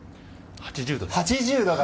８０度です。